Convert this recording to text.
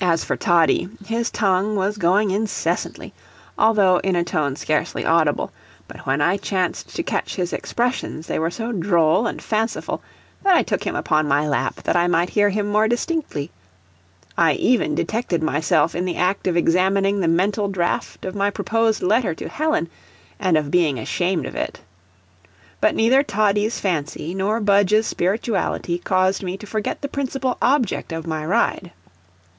As for Toddie, his tongue was going incessantly, although in a tone scarcely audible; but when I chanced to catch his expressions, they were so droll and fanciful, that I took him upon my lap that I might hear him more distinctly. I even detected myself in the act of examining the mental draft of my proposed letter to Helen, and of being ashamed of it. But neither Toddie's fancy nor Budge's spirituality caused me to forget the principal object of my ride.